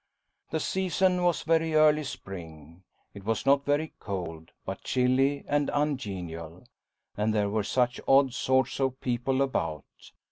The season was very early spring. It was not very cold, but chilly and ungenial. And there were such odd sorts of people about.